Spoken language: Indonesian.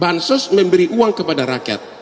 bansos memberi uang kepada rakyat